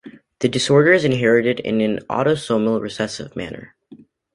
The disorder is inherited in an autosomal recessive manner.